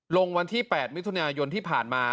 วันที่๘มิถุนายนที่ผ่านมา